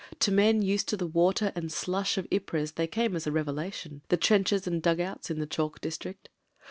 To men used to the water and slush of Ypres they came as a revelation — ^the trenches and dug outs in the chalk district.